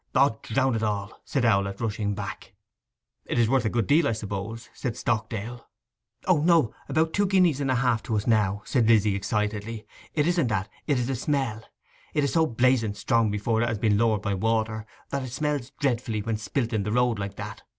''Od drown it all!' said Owlett, rushing back. 'It is worth a good deal, I suppose?' said Stockdale. 'O no—about two guineas and half to us now,' said Lizzy excitedly. 'It isn't that—it is the smell! It is so blazing strong before it has been lowered by water, that it smells dreadfully when spilt in the road like that!